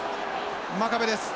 真壁です。